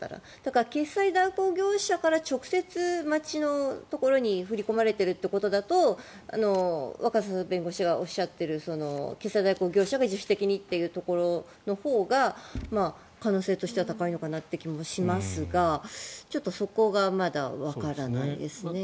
だから、決済代行業者から直接、町のところに振り込まれているということだと若狭弁護士がおっしゃっている決済代行業者が自主的にというところのほうが可能性としては高いのかなという気もしますがちょっとそこがまだわからないですね。